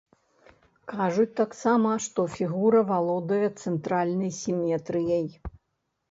Кажуць таксама, што фігура валодае цэнтральнай сіметрыяй.